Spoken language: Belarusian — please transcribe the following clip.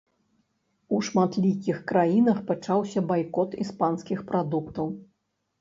У шматлікіх краінах пачаўся байкот іспанскіх прадуктаў.